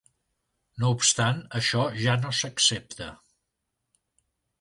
No obstant, això ja no s'accepta.